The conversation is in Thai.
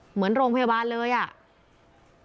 เหมือนโรงพยาบาลเลยอ่ะ